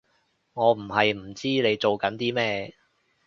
我唔係唔知你做緊啲咩